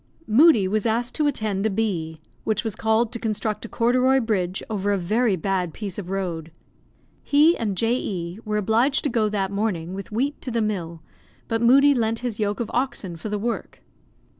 Moodie was asked to attend a bee, which was called to construct a corduroy bridge over a very bad piece of road. He and J. E were obliged to go that morning with wheat to the mill, but Moodie lent his yoke of oxen for the work.